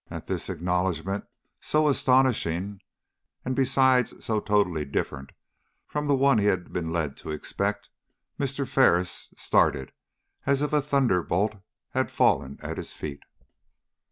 At this acknowledgment so astonishing, and besides so totally different from the one he had been led to expect, Mr. Ferris started as if a thunder bolt had fallen at his feet.